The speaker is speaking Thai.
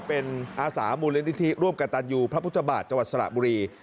เป็นอาสามูลนิธิร่วมกับตันยูพระพุทธบาทจังหวัดสระบุรี